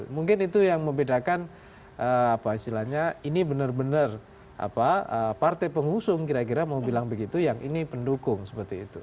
mungkin itu yang membedakan apa istilahnya ini benar benar partai pengusung kira kira mau bilang begitu yang ini pendukung seperti itu